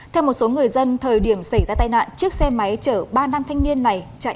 theo một số người dân thời điểm xảy ra tai nạn chiếc xe máy chở ba nam thanh niên này chạy